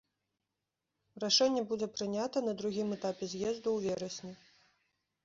Рашэнне будзе прынята на другім этапе з'езду ў верасні.